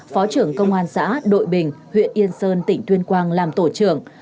phó trưởng công an xã đội bình huyện yên sơn tỉnh tuyên quang làm tổ trưởng